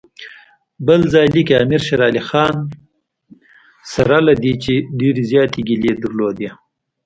بل ځای لیکي امیر شېر علي سره له دې چې ډېرې زیاتې ګیلې درلودې.